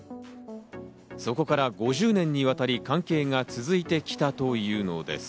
そこから５０年にわたり関係が続いてきたというのです。